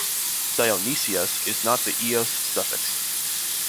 Dionysias is not the -ios suffix.